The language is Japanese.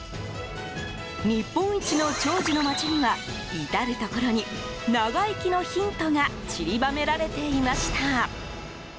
日本一の長寿の街には至るところに長生きのヒントが散りばめられていました。